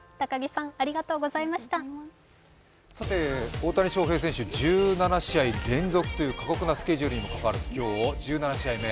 大谷翔平選手１７試合連続出場という過酷なスケジュールにもかかわらず、今日、１７試合目。